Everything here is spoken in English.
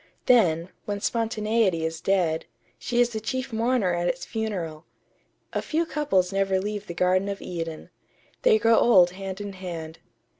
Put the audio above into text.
Then, when spontaneity is dead, she is the chief mourner at its funeral.... A few couples never leave the Garden of Eden. They grow old hand in hand.